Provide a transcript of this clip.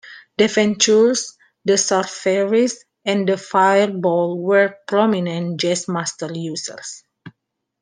The Ventures, The Surfaris, and The Fireballs were prominent Jazzmaster users.